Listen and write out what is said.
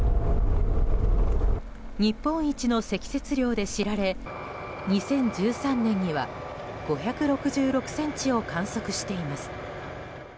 日本一の積雪量で知られ２０１３年には５６６ｃｍを観測しています。